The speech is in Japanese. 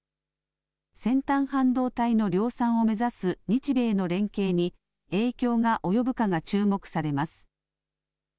先端半導体の量産を目指す日米の連携に影響が及ぶかが注目されます。